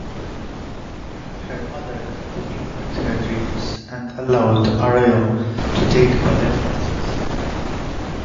Her mother humored her dreams and allowed Arroyo to take ballet classes.